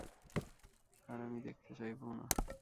আর আমি দেখতে চাইবোও না।